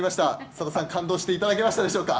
さださん感動していただけたでしょうか。